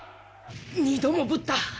二度もぶった！